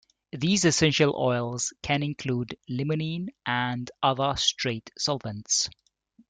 These essential oils can include limonene and other straight solvents.